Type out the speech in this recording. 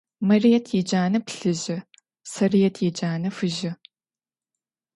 Марыет иджанэ плъыжьы, Сарыет иджанэ фыжьы.